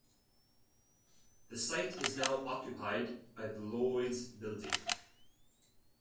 The site is now occupied by the Lloyd's building.